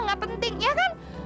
gak penting iya kan